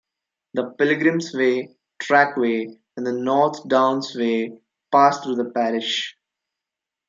The Pilgrims' Way trackway and the North Downs Way pass through the parish.